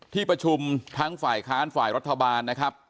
ที่ประชุมทั้งฝ่ายค้านฝ่ายรัฐบาลนะครับ